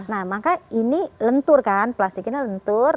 nah maka ini lentur kan plastiknya lentur